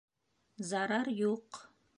Зарар юҡ.